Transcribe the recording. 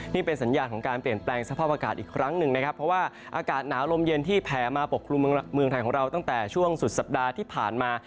นี่เป็นสัญญาณของการเปลี่ยนแปลงสภาพอากาศอีกครั้งหนึ่งนะครับเพราะว่าอากาศหนาวลมเย็นที่แผ่มาปกครุมเมืองไทยของเราตั้งแต่ช่วงสุดสัปดาห์ที่ผ่านมา